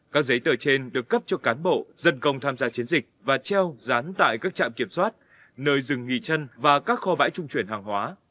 các giấy tờ trên được cấp cho cán bộ dân công tham gia chiến dịch và treo rán tại các trạm kiểm soát nơi dừng nghỉ chân và các kho bãi trung chuyển hàng hóa